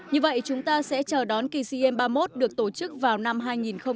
như vậy chúng ta sẽ chờ đón kỳ sea games ba mươi một được tổ chức vào năm hai nghìn hai mươi một tại việt nam